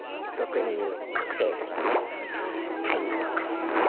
俗に言う覚醒剤とか大麻とか。